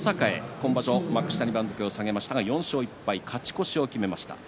今場所幕下で番付を下げましたが４勝１敗、勝ち越しを決めました。